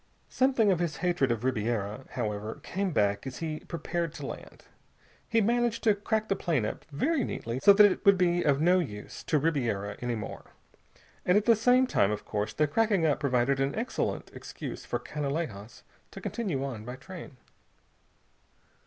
Something of his hatred of Ribiera, however, came back as he prepared to land. He managed to crack the plane up very neatly, so that it would be of no use to Ribiera any more. And at the same time, of course, the cracking up provided an excellent excuse for Canalejas to continue on by train.